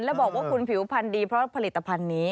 แล้วบอกว่าคุณผิวพันธ์ดีเพราะผลิตภัณฑ์นี้